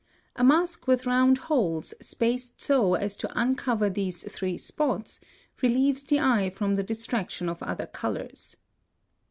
A mask with round holes, spaced so as to uncover these three spots, relieves the eye from the distraction of other colors.